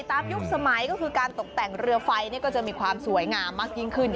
ยุคสมัยก็คือการตกแต่งเรือไฟก็จะมีความสวยงามมากยิ่งขึ้น